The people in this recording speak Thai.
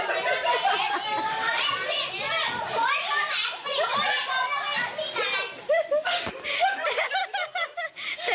คุณคุณมีกระเดียนไหม